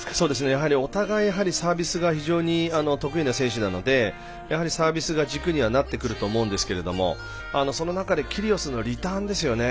やはり、お互いサービスが非常に得意な選手なのでサービスが軸にはなってくると思うんですけどその中でキリオスのリターンですよね。